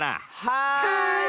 はい！